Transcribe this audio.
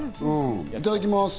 いただきます。